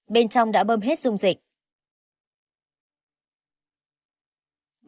bên trong đã bơm hết dung dịch